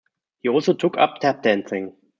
He also took up tap dancing.